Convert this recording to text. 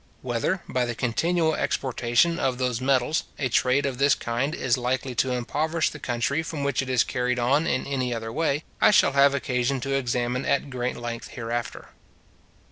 Whether, by the continual exportation of those metals, a trade of this kind is likely to impoverish the country from which it is carried on in any other way, I shall have occasion to examine at great length hereafter.